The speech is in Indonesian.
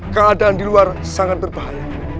keadaan di luar sangat berbahaya